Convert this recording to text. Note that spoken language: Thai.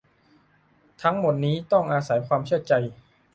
ทั้งหมดนี้ต้องอาศัยความเชื่อใจ